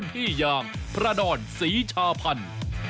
อย่างพระดอนศรีชาพันธ์